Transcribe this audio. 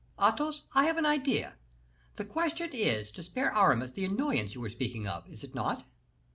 "Athos, I have an idea; the question is, to spare Aramis the annoyance you were speaking of, is it not?"